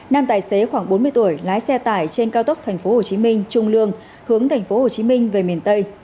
nam tài xế khoảng bốn mươi tuổi lái xe tải trên cao tốc tp hcm trung lương hướng tp hcm về miền tây